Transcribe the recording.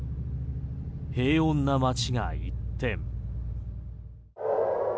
平穏な町が一転。